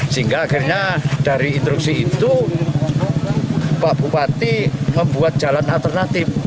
sehingga akhirnya dari instruksi itu pak bupati membuat jalan alternatif